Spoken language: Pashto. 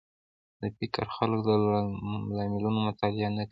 د فکر خلک د لاملونو مطالعه نه کوي